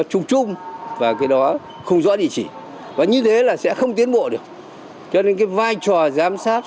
cho nên cái vai trò giám sát